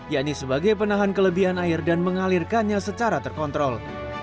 yakni sebagai penahan kelebihan air dan mengalirkannya secara terkontrol